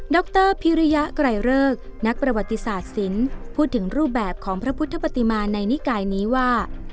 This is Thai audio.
รพิริยะไกรเริกนักประวัติศาสตร์ศิลป์พูดถึงรูปแบบของพระพุทธปฏิมาในนิกายนี้ว่า